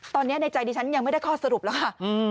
ตอนนี้ในใจดิฉันยังไม่ได้ข้อสรุปแล้วค่ะ